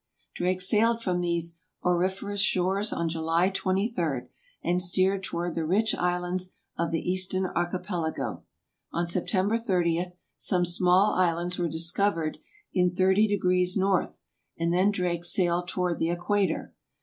Drake sailed from these auriferous shores on July 23, and steered toward the rich islands of the eastern archipelago. On September 30, some small islands were discovered in 300 N., and then Drake sailed toward the equator.